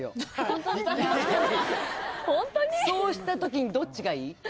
そうしたときにどっちがいい？